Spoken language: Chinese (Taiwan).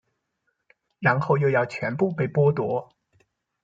然後又要全部被剝奪